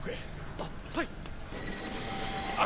あっはい！